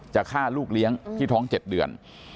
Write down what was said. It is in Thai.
จะฆ่าลูกเลี้ยงที่ท้อง๗เดือน